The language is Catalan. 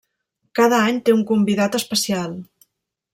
Cada any té un convidat especial.